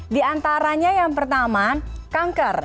di antaranya yang pertama kanker